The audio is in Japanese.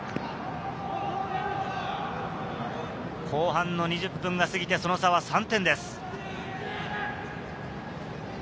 後半の２０分がすぎて、その差は３点です。